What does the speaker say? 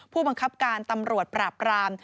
ผู้บังคับการตำรวจปราบราม